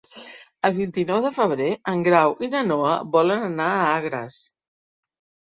El vint-i-nou de febrer en Grau i na Noa volen anar a Agres.